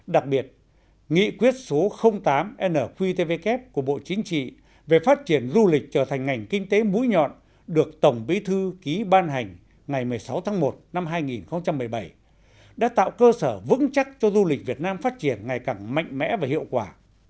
đặc biệt nghị quyết số tám nqtvk của bộ chính trị về phát triển du lịch trở thành ngành kinh tế mũi nhọn được tổng bí thư ký ban hành ngày một mươi sáu tháng một năm hai nghìn một mươi bảy đã tạo cơ sở vững chắc cho du lịch việt nam phát triển ngày càng mạnh mẽ và hiệu quả